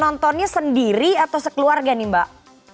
nontonnya sendiri atau sekeluarga nih mbak